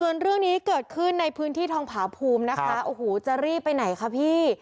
ส่วนเรื่องนี้เกิดขึ้นในพื้นที่ทองผาภูมินะคะโอ้โหจะรีบไปไหนคะพี่